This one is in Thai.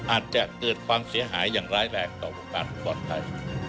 อาจจะเกิดความเสียหายอย่างร้ายแรงต่อวงการปลอดภัย